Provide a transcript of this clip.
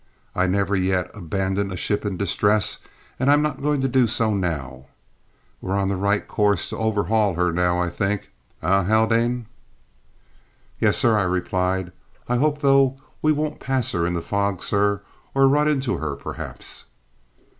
"I never yet abandoned a ship in distress, and I'm not going to do so now. We're on the right course to overhaul her, now, I think, eh, Haldane?" "Yes, sir," I replied. "I hope, though, we won't pass her in the fog, sir, or run into her, perhaps."